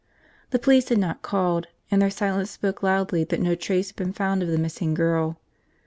The police had not called, and their silence spoke loudly that no trace had been found of the missing girl.